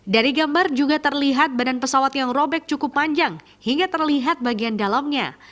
dari gambar juga terlihat badan pesawat yang robek cukup panjang hingga terlihat bagian dalamnya